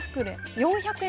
４００円。